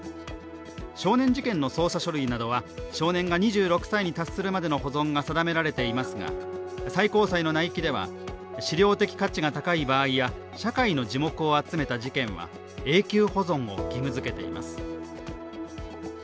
少年事件の捜査書類などは少年が２６歳に達するまでの保存が求められていますが最高裁の内規では、史料的価値が高い場合や社会の耳目を集めた事件は永久保存を義務づけています。